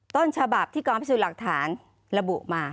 ต้นฉบับที่กองพิสูจน์หลักฐานระบุมา